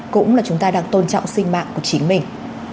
cũng là chúng ta đang tôn trọng sinh mạng của chính mình